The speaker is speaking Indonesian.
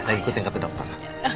saya ikutin kata dokter